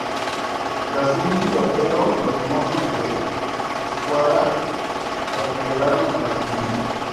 Tras un tiroteo, los mozos de escuadra se replegaron al Ayuntamiento.